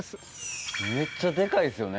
めっちゃデカいですよね。